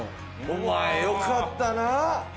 お前良かったな。